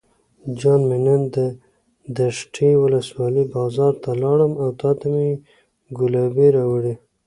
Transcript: جان مې نن دشټي ولسوالۍ بازار ته لاړم او تاته مې ګلابي راوړې.